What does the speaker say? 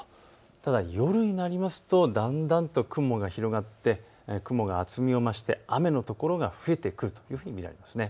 ただ夜になるとだんだんと雲が広がって雲が厚みを増して雨の所が増えてくると見られます。